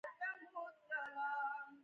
زړه چې مئین شي په صحرا باندې مزلې کوي